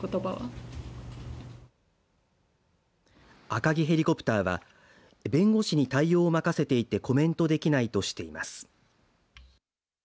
アカギヘリコプターは弁護士に対応を任せていてコメントできないとしています。